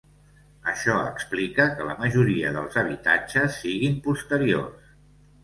Això explica que la majoria dels habitatges siguin posteriors.